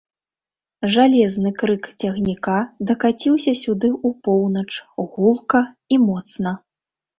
Жалезны крык цягніка дакаціўся сюды ў поўнач, гулка і моцна.